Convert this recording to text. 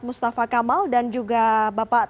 mustafa kamal dan juga bapak